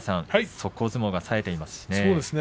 速攻相撲さえていますね。